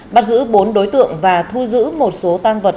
bắt giữ bốn đối tượng và thu giữ một số tăng vật